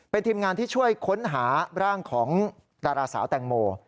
เป็นทีมงานที่ช่วยค้นหาร่างของดาราสาวแตงโม